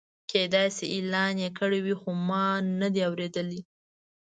کېدای شي اعلان یې کړی وي خو ما نه دی اورېدلی.